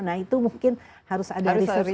nah itu mungkin harus ada research research ya